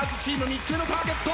３つ目のターゲット。